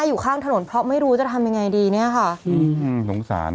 อืมสงสาร